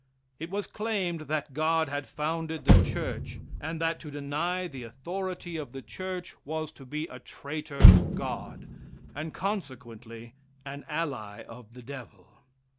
It was claimed that God had founded the church, and that to deny the authority of the church was to be a traitor to God, and consequently an ally of the devil.